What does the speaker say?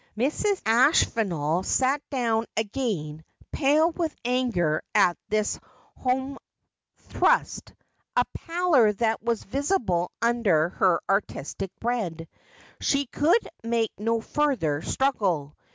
Mrs. Aspinall sat down again, pale with anger at this home tkreat, — a pallor that was visible under her artistic red. She coui<i make no further struggle.